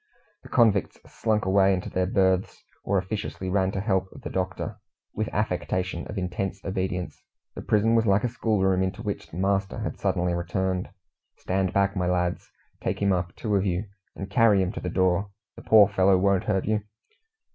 The convicts slunk away into their berths, or officiously ran to help "the doctor," with affectation of intense obedience. The prison was like a schoolroom, into which the master had suddenly returned. "Stand back, my lads! Take him up, two of you, and carry him to the door. The poor fellow won't hurt you."